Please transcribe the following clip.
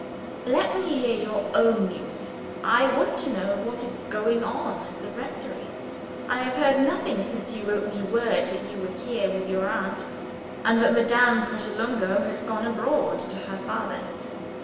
Let me hear your own news I want to know what is going on at the rectory. I have heard nothing since you wrote me word that you were here with your aunt, and that Madame Pratolungo had gone abroad to her father.